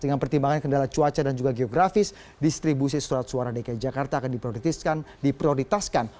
dengan pertimbangan kendala cuaca dan juga geografis distribusi surat suara dki jakarta akan diprioritaskan